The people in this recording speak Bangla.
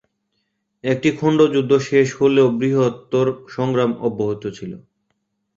একটি খন্ডযুদ্ধ শেষ হলেও বৃহত্তর সংগ্রাম অব্যাহত ছিল।